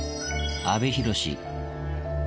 阿部寛。